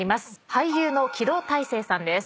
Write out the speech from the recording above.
俳優の木戸大聖さんです。